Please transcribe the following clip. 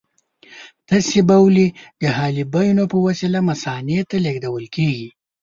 تشې بولې د حالبیونو په وسیله مثانې ته لېږدول کېږي.